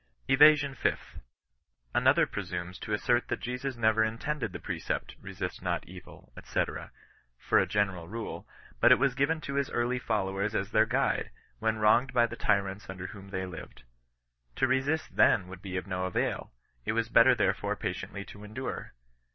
EVASION FIFTH. Another presumes to assert that Jesus never intended the precept, " Eesist not evil," &c., " for a general rule; but it was given to his early followers as their guide, when wronged by the tyrants under whom they lived. To resist then would be of no avail ; it was better there fore patiently to endure."